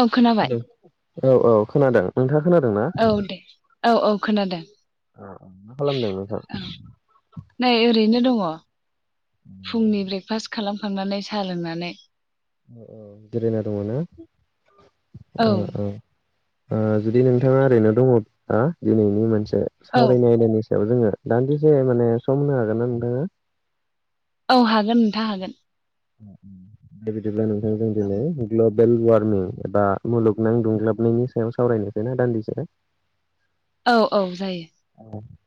औ खोनाबाय औ औ खोनादों नोंथाङा। खोनादोंना? औ दे औ औ खोनादों? औ मा खालामदों नोंथां? ओं नै ओरैनो दङ फुंनि ब्रेकफास्ट खालामखांनानै साहा लोंनानै औ औ। जिरायना दङ नो औ ओम ओम ओ जुदि नोंथाङा ओरैनो दङ'दा दिनैनि मोनसे औ सावरायनाय आयदानि सायाव जोङो दान्दिसे माने सम होनो हागोन ना नोंथाङा? औ हागोन नोंथाङ हागोन। बिदिब्ला नोंथांजों [inaudible] ग्लेल लुआरनि एबा मुलुगनां दुंग्लाबनायनि सायाव सावरायनोसै ना दान्दिसे आरो। औ औ जायो।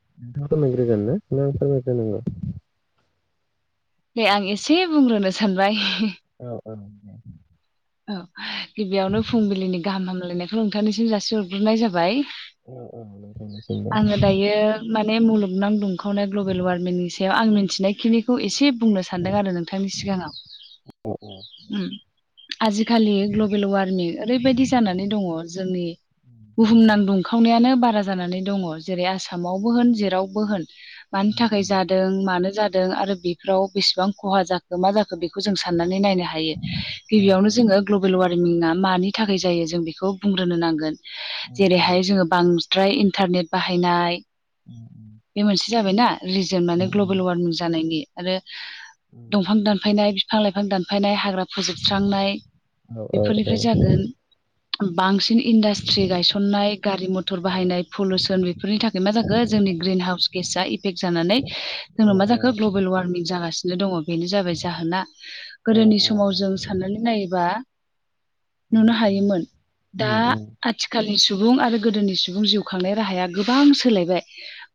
[unintelligible] ए आं एसे बुंग्रोनो सानबाय। औ औ। औ गिबियावनो फुंबिलिनि गाहाम हामलायनायखौ नोंथांनिसिम जासिहरग्रोनाय जाबाय। औऔ नोंथांनिसिमबो। नैय मुलुगनां दुंखावनाय ग्लबेल वार्मिनि सायाव आं मिन्थिनायखिनिखौ एसे बुंनो सानदों आरो नोंथांनि औ औ सिगाङाव। उम आजिखालि ग्लबेल वारनि ओरैबायदि जानानै दङ। जोंनि बुहुमनां दुंखावनायानो बारा जानानै दङ। जेरै' आसामावबो होन जेरावबो होन उम मानि थाखाय जादों मानो जाद दों आरो बेफोराव बेसेबां खहा जाखो मा जाखो बेखौ जों साननानै नायनो हायो। उम गिबियावनो उम जोङो ग्लबेल वार्मिंआ मानि थाखाय जायो जों बेखौ बुंग्रोनो नांगोन। उम जेरै'हाय जोङो बांद्राय इन्टारनेट बाहायनाय उम उम बे मोनसे जाबायना रिजन माने उम ग्लबेल वार्मिं जानायनि आरो उम दंफां दानफायनाय फि फां लाइफां दानफायनाय हाग्रा फोजोबस्रांनाय औ अ अ अ बेफोरनिफ्राय जागोन। बांसिन इन्डास्ट्रि गायसननाय गारि मथर बाहायनाय पलुसन बेफोरनि थाखाय मा जाखो जोंनि ग्रिन हाउस गेस' सा इफेक्ट जानानै जोंनाव मा जाखो ग्लबेल वार्मिं जागासिनो दङ बेनो जाबाय जाहोना अ गोदोनि समाव जों साननानै नायोबा नुनो हायोमोन दा नंगौ आथिखालनि सि सुबुं आरो गोदोनि सुबुं जिउ खांनाय राहाया गोबां सोलायबाय।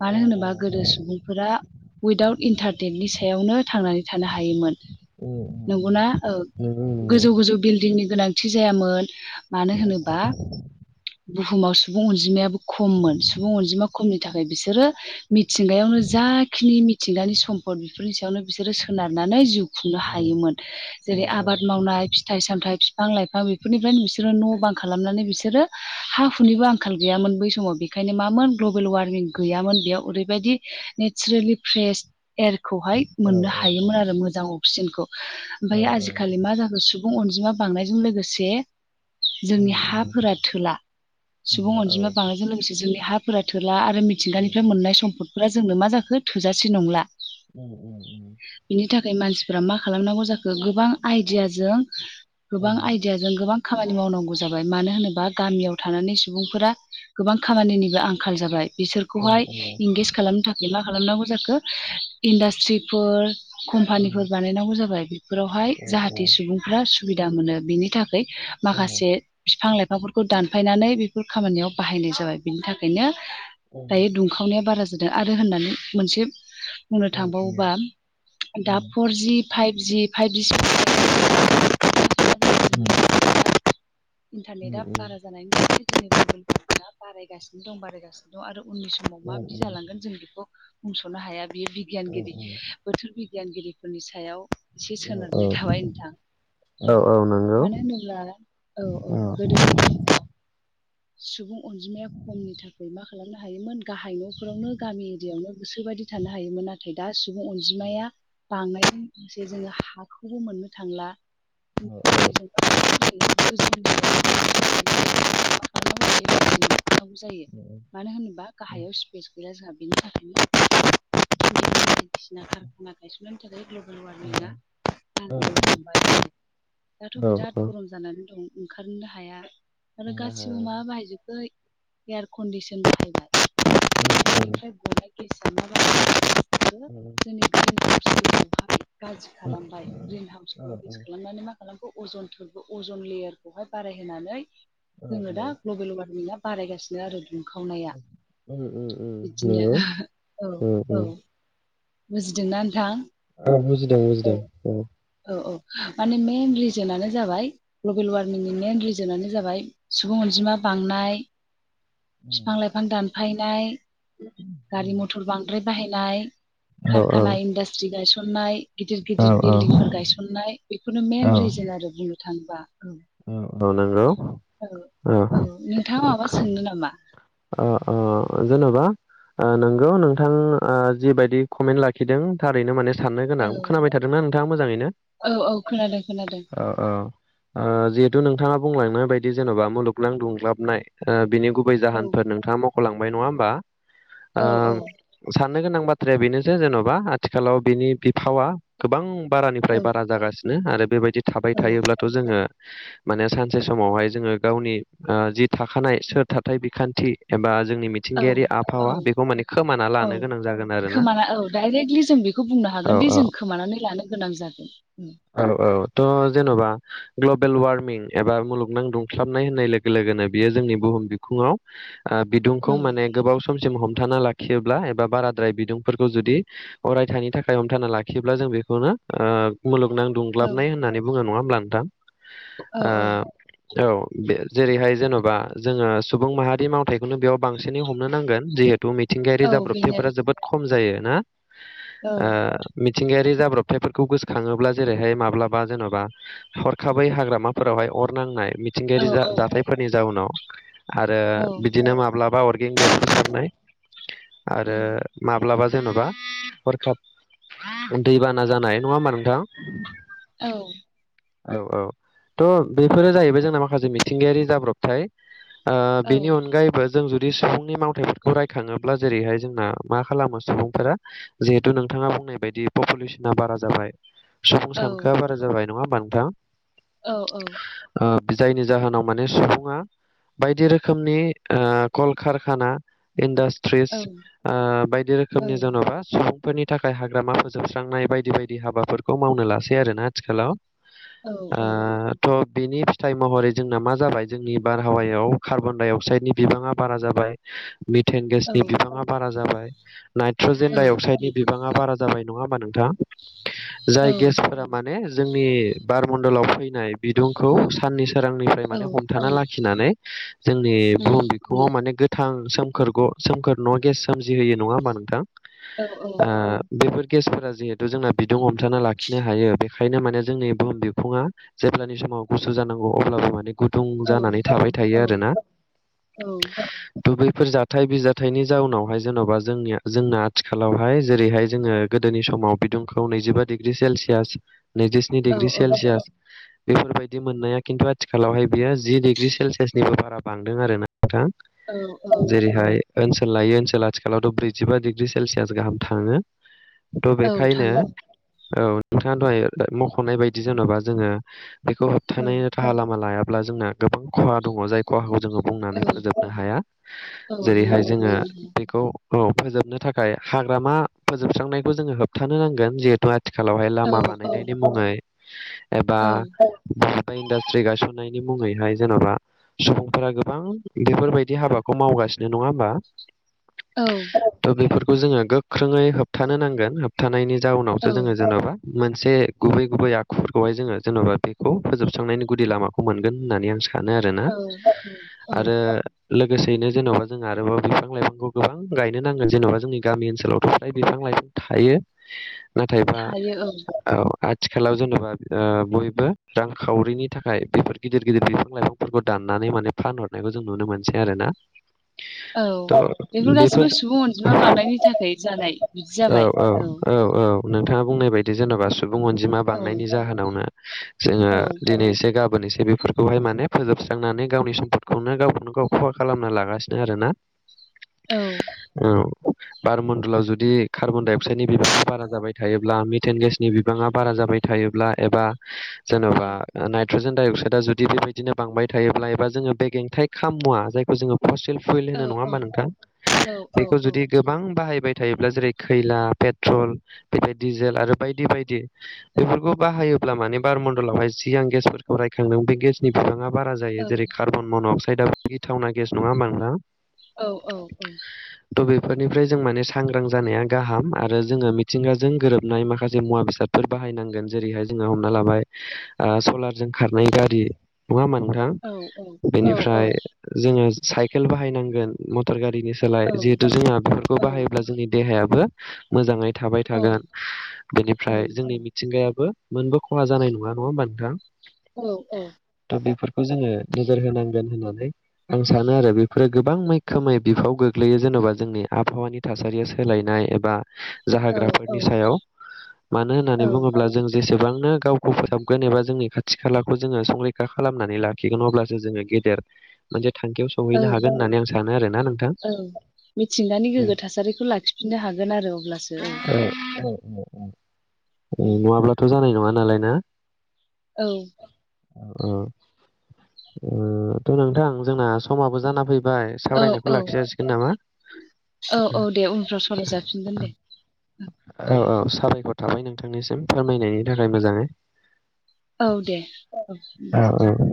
मानो होनोबा गोदो सुबुंफोरा उइदाउट इन्टारनेेटनि सायावनो थांनानै थानो हायोमोन नंगौना। ओ गोजौ गोजौ बिल्डिं नि गोनांथि जायामोन मानो होनोबा। बुहुमाव सुबुं अनजिमायाबो खममोन सुबुं अनजिमा खमनि थाखाय बिसोरो मिथिंगायावनो जा। जाखिनि मिथिंगानि सम्पद बेफोरनि सायावनो बिसोरो सोनारनानै। खुंनो हायोमोन जेरै। आबाद मावनाय फिथाइ सामथाय बिफां लाइफांफोरनिफ्रायनो बिोरो न' बां खालामनानै बिसोरो हा हुनिबो। आंखाल गैयामोन बै समाव बेखायनो मामोन ग्ल'बेल वार्मिं गैयामोन बेयाव ओरैबायदि नेसारेलि। फ्रेश एयारखौहाय मोननो हायोमोन आरो मोजां अक्सिजेनखौ। औ ओमफ्राय औ। आजिखालि मा जाखो सुबुं अनजिमा बांनायजों लोगोसे। जोंनि हाफोरा थोला सुबुं अनजिमा बांनायजों लोगोसे जोंनि हाफोरा थोला। ला आरो मिथिंगानिफ्राय मोननाय सम्पदफोरा जोंनो मा जाखो थोजासे नंला। उम उम। नाथाय मानसिफोरा मा खालामनांगौ जाखो गोबां आइदियाजों गोबां आइडियाजों गोबां। खामानि मावनांगौ जाबाय मानो होनोबा गामियाव थानानै सुबुंफोरा गोबां खामानिनिबो आंखाल जाबाय। बिसोरखौहाय नंगौ औ इंगेज खालामनो थाखाय मा खालामनांगौ जाखो इन्डास्ट्रिफोर औ कम्पानिफोर बानायनांगौ जाबाय औ बेफोरावहाय औ औ औ जाहाथे सुबुंफ्रा सुबिदा मोनो बिनि थाखाय माखासे बिफां-लाइ फांफोरखौ दानफायनानै बेफोर खामानियाव बाहायनाय जाबाय बिनि थाखायनो दायो दुंखावनाया बारा जादों आरो होननानै मोनसे बुंनो थांबावोबा दा फर जि फाइभजि फाइभजि इन्टारनेटा बारा जानायनिनि मबाइल बारायगासिनो दं बारायगासिनो दं आरो उननि समाव माबायदि जालांगोन जों बेखौ बुंस'नो हाया बेयो बिगियानगिरि बोथोर बिगियानगिरिफोरनि सायाव एसे सोनारनाय थाबाय नोंथां औ मानो होनोब्ला औ औ गोदो नंगौ सुबुं अनजिमाया खमनि थाखाय मा खालामनो हायोमोन गाहाय न'फोरावनो गामि एरियायावनो गोसोबाय दि थानो हायोमोन नाथाय दा सुबुं अनजिमाया बांनायजों लोगोसे जोङो हाखौबो मोननो थांला। [inaudible] [inaudible] औ मानो होनोबा औ गाहायाव स्पेस गैया जोंहा बेनि थाखायनो बायदिसिना खारखाना गायसननायनि औ औ थाखाय [inaudible] दाथ' बिराद गरम जानानै दं ओंखारोनो हाया आरो गासिबो माबा बाहायजोबखो एयार कन्डिसनबाय ओ ओ [inaudible] गाज्रि खालामबाय ग्रिन हाउसखौ बेस्ट खालामनानै माखा लाम अजनबो अजन लेयारखौहाय बारायहोनानै जोङो दा ग्लबेल वारमिंआ बारायगासिनो आरो दुंखावनाया बिदिनो नंगौ औ उम औ उम बुजिदोंना नोंथां। औ बुजिदों बुजिदों औ औ औ माने मइेन रिजोनानो जाबाय ग्लबेल वारमिंनि मइेन रिजोनानो जाबाय सुबुं अनजिमा बांनाय बिफां-लाइफां दानफायनाय गारि मथर बांद्राय बाहायनाय। औ कारखाना इन्डास्ट्रि गायसननाय गिदिर औ गिदिर औ बिल्डिंफोर गायसननाय बेखौनो औ मेन रिजोन आरो बुंनो थाङोबा। औ औ नंगौ औ नोंथाङा माबा सोंनो नामा अ अ जेन'बा नंगौ नोंथां जिबायदि कमेन्ट लाखिदों थारैनो माने साननो गोनां औ खोनाबाय थादोंना नोंथाङा मोजाङैनो औ औ खोनादों खोनादों औ औ ओ जिहेथु नोंथाङा बुंलांनाय बायदि जेन'बा मुलुगनां दुंग्लाबनाय बिनि गुबै औ जाहोन मखलांबाय नङा होनबा ओ औ औ सान ननो गोनां बाथ्राया बेनोसै जेन'बा आथिखालाव बिनि बिफावा गोबां बारानिफ्राय औ बारा जागासि नो आरो बेबायदि थाबाय औ थायोब्लाथ' जोङो माने सानसे समावहाय जोङो गावनि ओ जि थाखानाय सोर था बिखा नथि एबा जोंनि औ मिथिंगायारि औ आबहावा बेखौ माने खोमाना औ लानो गोनां जागोन आरोना औ हागोनदि औ जों खोमानानै लानो गोनां जागोन। औ औ थ' जेन'बा ग्लबेल वार्मिं एबा मुलुगनां दुंस्लाबनाय होननाय लोगो लोगोनो बियो जोंनि बुहुम बिखुङाव ओ बिदुंखौ औ माने गोबाव समसिम हम हमथाना लाखियोब्ला एबा बाराद्राय बिदुंफोरखौ जुदि अरायथानि थाखाय हमथाना लाखियोब्ला जों बेखौनो ओ मुलुगनां औ दुंग्लाबनाय होननानै बुङो नङा होमब्ला नोंथां औ औ औ बे जेरैहाय जेन'बा जोङो सुबुं माहारि मावथायाइखौनो बेयाव बांसिनै हमनो नांगोन जिहेथु मिथिंगायारि औ बेनो जाब्रबथिफोरा जोबोद खम जायो ना औ ओ मिथिंगायारि जाब्रबथायफोरखौ गोसो थाङोब्ला जेरैहाय माब्लाबा जेन'बा हरखाबै हाग्रामाफोरावहाय अर नांनाय औ मिथिंगायारि जा औ जाथायफोरनि जाउनाव आरो औ बिदिनो माब्लाबा अरगं बेरफुसारनाय आरो उम, माब ब्लाबा जेन'बा हरखाब दैबाना जानाय नङा होमबा नोंथां? औ औ औ थ' बेफोरो जाहैबाय जोंना माखासे मिथिंगायारि जाब्रबथाय ओ औ बिनि अनगायैबो जों दि सुबुंनि मावथायाइफोरखौ रायखाङोब्ला जेरैहाय जोंना मा खालामो सुबुंफोरा जिहेथु नोंथाङा बुंनाय बायदि पपुलेसना बारा जाबाय सुबुं औ सानखोआ बारा जाबाय नङा होमबा नोंथां? औ औ ओ जायनि जाहोनाव माने सुबुङा बायदि रोखोमनि ओ कलकारखाना इन्डास ट्रिस ओ बायदि रोखोमनि जेन'बा सुबुं फोरनि थाखाय हाग्रामा फोजोबस्रांनाय बायदि बायदि हाबाफोरखौ मावनो लासै आरो ना आथिखालाव औ औ ओ थ' बेनि फिथाइ महरै जोंना मा जाबाय जोंनि बारहावायाव कार्बन डाइ अक्साइडनि बिबाङा बारा जाबाय मिटेन औ गेसनि बिबाङा बारा जाबाय नाइट्रजेन दडाइ औ अक्साइडनि बिबाङा बारा जाबाय नङा हा नोंथाङा औ जाय गेसफोरा माने जोंनि बारमण्डलाव फैनाय बिदुंखौ साननि सोरांनिफ्राय औ माने हमथाना लाखिनानै जोंनि उम बुहुम बिखङाव माने गोथां सोमखोर सोमखोर न'आव गेस सोमजिहोयो नङा होमबा नोंथां? औ बेफोर गेसफोरा जिहेथु जोंना बिदुं हमथाना लाखिनो हायो बेखायनो माने जोंनि बुहुम बिफुङा जेब्लानि समाव गुसु जानांगौ अब्लाबो माने गुदुं औ जानानै थाबाय औ थायो आरोना औ बैफोर जाथाय बिजथायाइनि जाउनावहाय जेन'बा जोंनिया जोंना आथिखालावहाय जेरैहाय जोङो गोदोनि समाव बिदुंखौ नैजिबा डिग्रि सेलसियास नैजिस्नि औ डिग्रि सेलसियास बेफोरबायदि मोननाया खिन्थु आथिखालावहाय बियो जि डिग्रि सेलसियासनिबो बारा बांदों आर ना औ [unintelligible] जेरैहाय ओनसोल लायो ओनसोल आथिखालावथ' ब्रैजिबा डिग्रि सेलसियास गाहाम थाङो थ' औ बेखायनो थाङो औ नोंथाङा दहाय मख'नाय बायदि जेन'बा जोङो बेखौ औ होबथानायनि राहा लामा लायाब्ला जोंना गोबां खहा दङ जाय खहाखौ जोङो औ बुंनानै फोजोबनो हाया औ जेरैहाय बुंनानै जोङो फोजोबनो बेखौ औ फोजोबनो थाखाय हाग्रामा फोजोबस्रांनायखौ जोङो होबथानो नांगोन जिहेतु आथिखालावहाय हाया लामा औ बानायनायनि बे एबा औ इन्डास्ट्रि गायसननायनि मुङैहाय जेन'बा सुबुंफोरा गोबां बेफोरबायदि हाबाखौ मावगा सिनो नङा होमबा? थ' बेफोरखौ जोङो गोख्रोङै होबथानो नांगोन होबथानायनि औ जाउनावसो जोङो जेन'बा मोनसे गुबै गुबै आखुफोरखौहाय जोङो जेन'बा बेखौ फोजोबस्रांनायनि गुदि लामाखौ मोनगोन होननानै आं सानो सानो आरो ना औ औ आरो लोगोसेयैनो जेन'बा जोंहा आरोबाव बिफां लाइफांखौ गोबां गायनो नांगोन जेन'बा जोंनि गामि ओनसोलाव थ' बिफां लाइफां थायो नाथायबा थायो औ औ आथिखालाव जेनेबा बयबो रांखावरिनि थाखाय बेफोर गिदिर गिदिर बिफां लाइफांफोरखौ दान नानै माने फानहरनायखौ जों नुनो मोनसै आरोना औ थ' बेफोर गासैबो सुबुं अनजिमा बानायनायनि थाखाय जानाय बिदि जाबाय औ। औ औ नोंथाङा बुंनाय बायदि जेन'बा सुबुं अनजिमा औ बांनायनि जाहोनावनो जोङो औ दिनै एसे गा बोनसै बेफोरखौहाय माने फोजोबस्रांनानै गावनि सम्फदखौनो गावखौनो गाव खहा खालामना लागासिनो आरोना। औ। बारमणडलाव जुदि कार्बन डाइ अक्साइडनि बिबाङा बारा जाबाय थायोब्ला, मि गेस नि बिबाङा बारा जाबाय थायोब्ला एबा जेन'बा नाइ ट्रजेन डाइ अक्साइडआ जुदि बेबायदिनो बांबाय थायोब्ला एबा जोङो बेगेंथाइ खाम मुवा जायखौ जोङो फसिल फुइल औ होनो नङा औ होमबा नोंथां। औ औ बेखौ जुदि गोबां बाहायबाय थायोब्ला जेरै खैला, पेट्रल बेदि डिजेल आरो बायदि बायदि। बेफोरखौ बाहायोब्ला माने बारमण्डलावहाय जि आं गेसफोरखौ रायखांदों बे गेसनि बिबाङा बारा जायो। औ जेरै कार्बन मन'अक्साइडआबो गिथावना गेस नङा होमबा नोंथां? औ औ औ। थ' बेफोरनिफ्राय जों माने सांग्रां जानाया गाहाम आरो जोङो मिथिंगाजों गोरोबनाय माखासे से मुवा बेसादफोर बाहायनांगोन। जेरैहाय जोंहा हमना लाबाय ओ सलारजों खारनाय गारि, नङा होमबा नोंथां? बेनिफ्राय औ जोङो साइकेल बाहायनांगोन, मथर गा बिनि सोलाय। जिहेथु जोंहा बेफोरखौ औ बाहायोब्ला जोंनि देहायाबो मोजाङै थाबाय औ थागोन। औ बेनिफ्राय जोंनि मिथिंगाया बो मोनबो खहा जानाय नङा। नङा होमबा नोंथां? औ औ। थ' बेफोरखौ जोङो नोजोर होनांगोन होननानै आं सानो आरो बेफोरो गोबां मैखोमै बिफाव गोग्लै यो जेन'बा जोंनि आबहावानि थासारिया सोलायनाय एबा औ औ जाहोग्राफोरनि सायाव। मानो होननानै औ बुङोब्ला जों जेसे बांनो गावखौ फोसाबगोन एबा जोंनि खाथि खालाखौ जोङो संरैखा खालामनानै लाखिगोन अब्लासो जोङो गेदेर मोनसे थांखियाव औ सौहैनो हागोन होननानै आं सानो आरोना नोंथां। औ मिथिंगानि गोग्गो थासारिखौ लाखिफिननो हागोन आरो अब्लासो औ। नङाब्लाथ' जानाय नङा नालाय ना? औ। ओ ओ थ' नोंथां जोंना समाबो जाना फै बाय औ सावरायनायखौ औ लाखि जासिगोन नामा? औ औ दे उनफ्राव सावरायजाफिनगोन दे। खर थाबाय नोंथांनिसिम फोरमायनायनि थाखाय मोजाङै। औ दे औ औ हामबायसै। औ